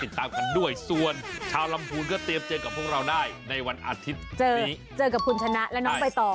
ที่สำคัญนะคะขอขอบคุณกรมการพัฒนาชุมชนกระทุ่มอาหารไทย